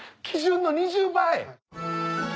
基準の２０倍？